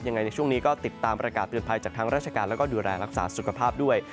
ในช่วงนี้ก็ติดตามประกาศเตือนภัยจากทางราชการแล้วก็ดูแลรักษาสุขภาพด้วย